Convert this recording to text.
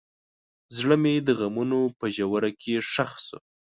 زړه مې د غمونو په ژوره کې ښخ شو.